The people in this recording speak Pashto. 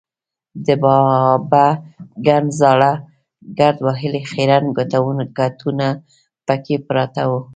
د باڼه ګڼ زاړه ګرد وهلي خیرن کټونه پکې پراته وو.